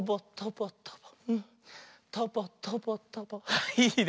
あっいいね。